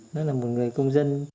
nó là một người công dân